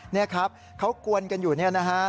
นี่ครับเขากวนกันอยู่เนี่ยนะฮะ